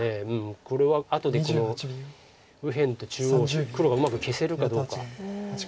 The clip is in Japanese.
これは後で右辺と中央と黒がうまく消せるかどうか。